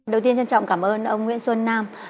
đầu tiên trân trọng cảm ơn ông nguyễn xuân nam